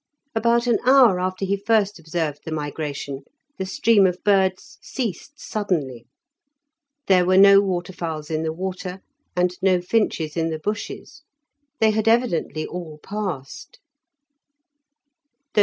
About an hour after he first observed the migration the stream of birds ceased suddenly. There were no waterfowls in the water, and no finches in the bushes. They had evidently all passed.